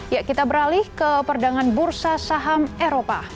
ya kita beralih ke perdagangan bursa saham eropa